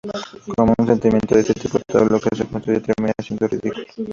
Con un cimiento de este tipo, todo lo que se construye termina siendo ridículo".